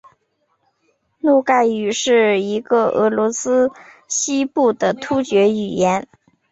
诺盖语是一个俄罗斯西南部的突厥语言。